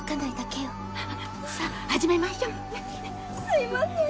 すいません！